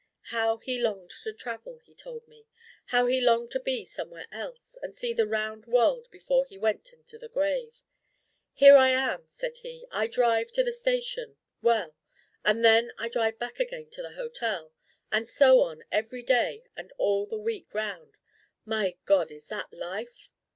How he longed to travel! he told me. How he longed to be somewhere else, and see the round world before he went into the grave! 'Here I am,' said he. 'I drive to the station. Well. And then I drive back again to the hotel. And so on every day and all the week round. My God, is that life?